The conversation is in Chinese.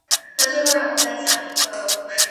自由薯条是美国对炸薯条的泛政治化用语。